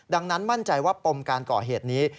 ดังนั้นมั่นใจว่าปมการก่อเหตุนี้